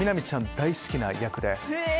大好きな役で。